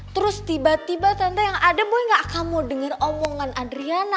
terus tiba tiba tante yang ada boy gak akan mau denger omongan adriana